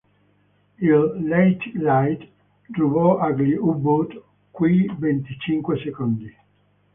Il "Leigh light" rubò agli U-Boot quei venticinque secondi.